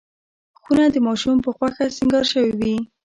خونه د ماشوم په خوښه سینګار شوې وي.